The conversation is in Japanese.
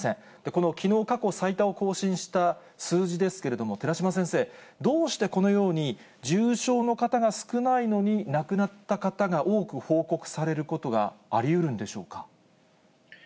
この、きのう、過去最多を更新した数字ですけれども、寺嶋先生、どうしてこのように、重症の方が少ないのに、亡くなった方が多く報告されることがありうるんでしょうか？